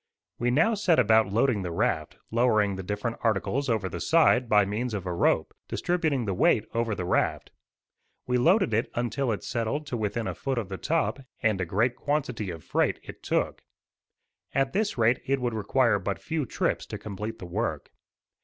We now set about loading the raft, lowering the different articles over the side by means of a rope, distributing the weight over the raft. We loaded it until it settled to within a foot of the top, and a great quantity of freight it took. At this rate it would require but few trips to complete the work.